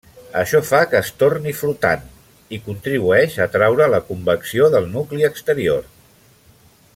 Això fa que es torni flotant, i contribueix a traure la convecció del nucli exterior.